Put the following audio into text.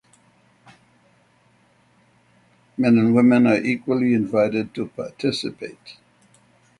Men and women are equally invited to participate.